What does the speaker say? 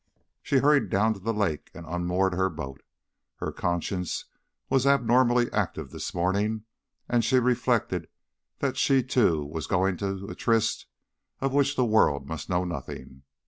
She hurried down to the lake and unmoored her boat. Her conscience was abnormally active this morning, and she reflected that she too was going to a tryst of which the world must know nothing.